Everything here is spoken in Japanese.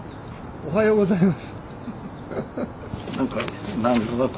おはようございます。